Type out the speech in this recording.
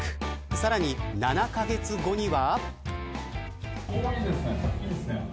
さらに７カ月後には。